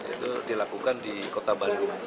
itu dilakukan di kota bandung